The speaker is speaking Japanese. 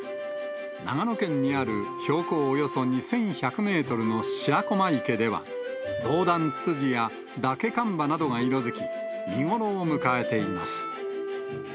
長野県にある標高およそ２１００メートルの白駒池では、ドウダンツツジやダケカンバなどが色づき、見頃を迎えています。